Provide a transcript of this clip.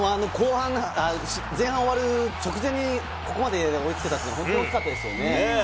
前半終わる直前にここまで追いつけたというのは大きかったですよね。